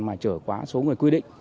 mà trở quá số người quy định